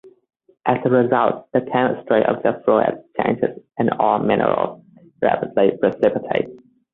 As a result, the chemistry of the fluids changes and ore minerals rapidly precipitate.